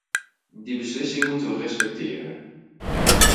Die beslissing moeten we respecteren.